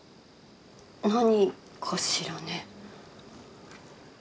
何かしらね？